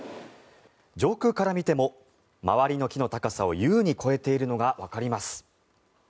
上空から見ても周りの木の高さを優に超えているのがわかります。